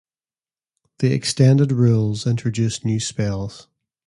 The extended rules introduce new spells.